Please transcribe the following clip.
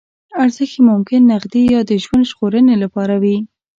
ارزښت یې ممکن نغدي یا د ژوند ژغورنې لپاره وي.